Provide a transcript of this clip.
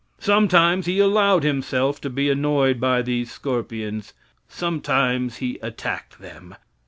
Sometimes he allowed himself to be annoyed by these scorpions; sometimes he attacked them.